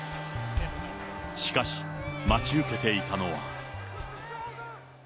しかし、待ち受けていたのは。